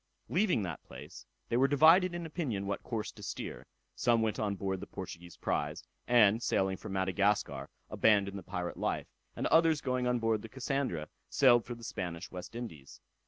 Leaving that place, they were divided in opinion what course to steer; some went on board the Portuguese prize, and, sailing for Madagascar, abandoned the pirate life; and others going on board the Cassandra, sailed for the Spanish West Indies.